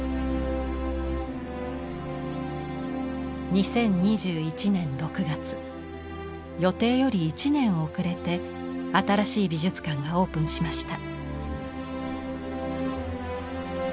２０２１年６月予定より１年遅れて新しい美術館がオープンしました。